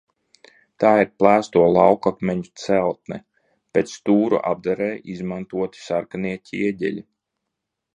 Tā ir plēsto laukakmeņu celtne, bet stūru apdarei izmantoti sarkanie ķieģeļi.